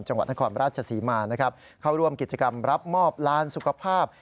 จังหวัดนครราชศรีมานะครับเข้าร่วมกิจกรรมรับมอบลานสุขภาพ